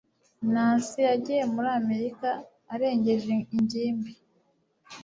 nancy yagiye muri amerika arengeje ingimbi